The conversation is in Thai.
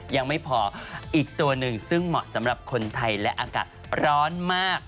ยังไม่พออีกตัวหนึ่งซึ่งเหมาะสำหรับคนไทยและอากาศร้อนมาก